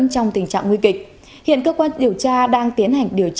xin chào các bạn